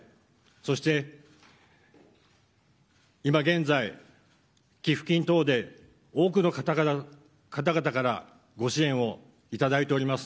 そして、今現在寄付金等で多くの方々からご支援をいただいております。